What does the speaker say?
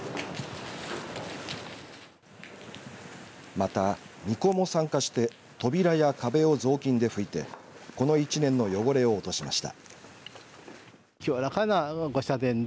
また、みこも参加して扉や壁を雑巾で拭いてこの１年の汚れを落としました。